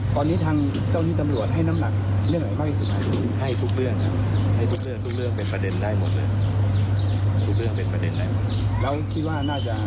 ตอนนี้อยู่ในกั้นตอนลูกอย่างหลักฐานและประเด็นหลักฐาน